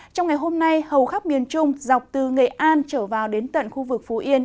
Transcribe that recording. trong ngày hôm nay hầu khắp miền trung dọc từ nghệ an trở vào đến tận khu vực phú yên